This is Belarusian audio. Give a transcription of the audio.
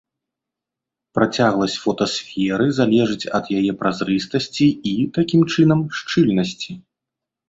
Працягласць фотасферы залежыць ад яе празрыстасці і, такім чынам, шчыльнасці.